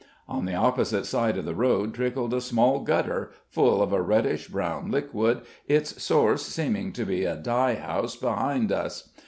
On the opposite side of the road trickled a small gutter, full of a reddish brown liquid, its source seeming to be a dye house behind us.